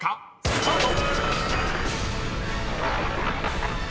スタート！］